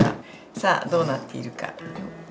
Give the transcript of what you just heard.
さあどうなっているか？